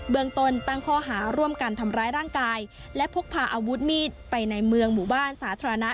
เมืองตนตั้งข้อหาร่วมกันทำร้ายร่างกายและพกพาอาวุธมีดไปในเมืองหมู่บ้านสาธารณะ